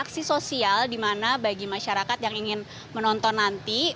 aksi sosial di mana bagi masyarakat yang ingin menonton nanti